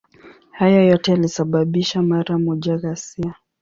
Hayo yote yalisababisha mara moja ghasia.